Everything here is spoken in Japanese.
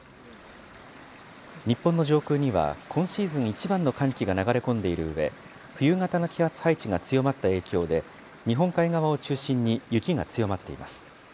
日本の上空には、今シーズン一番の寒気が流れ込んでいるうえ、冬型の気圧配置が強まった影響で、日本海側を中心に雪が強まっています。